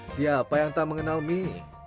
siapa yang tak mengenal mie